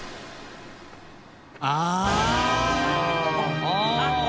ああ！